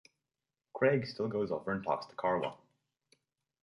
Craig still goes over and talks to Karla.